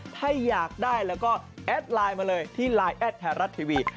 ถ้าอยากได้แล้วก็แอดไลน์มาเลยที่ไลน์แอดไทยรัฐทีวี